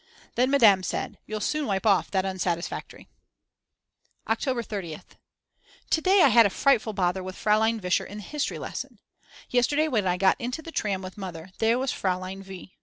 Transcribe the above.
Then Madame said: "You'll soon wipe off that Unsatisfactory." October 30th. To day I had a frightful bother with Fraulein Vischer in the history lesson. Yesterday when I got into the tram with Mother there was Fraulein V.